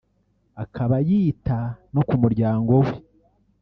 akaba yita no ku muryango we